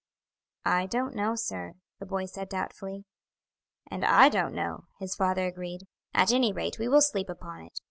"I don't know, sir," the boy said doubtfully. "And I don't know," his father agreed. "At anyrate we will sleep upon it.